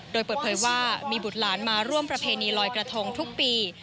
โดยเปิดเผยว่ามีบุตรหลานมาร่วมประเพณีลอยกระทงทุกปี